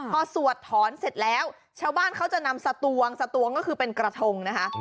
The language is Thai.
พอสวดถอนเสร็จแล้วชาวบ้านเขาจะนำสตวงสตวงก็คือเป็นกระทงนะคะ